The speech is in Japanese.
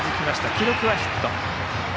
記録はヒット。